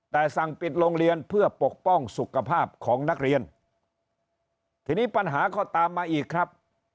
แต่สั่งปิดโรงเรียนเพื่อปกป้องสุขภาพของนักเรียนทีนี้ปัญหาก็ตามมาอีกครับ